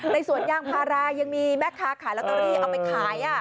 ในส่วนย่างพารายังมีแม็กซ์คาขายแล้วตอนนี้เอาไปขาย